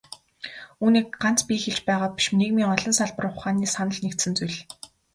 Үүнийг ганц би хэлж байгаа биш, нийгмийн олон салбар ухааны санал нэгдсэн зүйл.